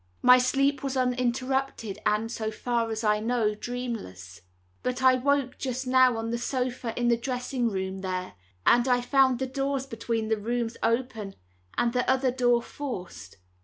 My sleep was uninterrupted, and, so far as I know, dreamless; but I woke just now on the sofa in the dressing room there, and I found the door between the rooms open, and the other door forced.